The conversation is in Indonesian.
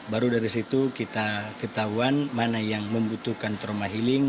baru dari situ kita ketahuan mana yang membutuhkan trauma healing